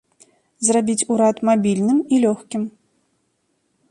Зрабіць урад мабільным і лёгкім.